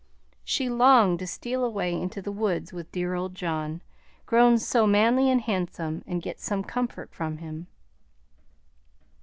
She longed to steal away into the woods with dear old John, grown so manly and handsome, and get some comfort from him.